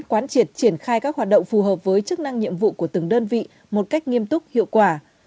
quán triệt triển khai các hoạt động phù hợp với chức năng nhiệm vụ của từng đơn vị một cách nghiêm túc hiệu quả